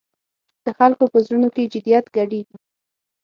د خلکو په زړونو کې جدیت ګډېږي.